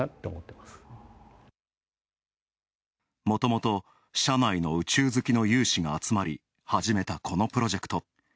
もともと社内の宇宙好きの有志が集まり、始めたこのプロジェクト。